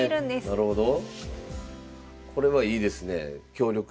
なるほど。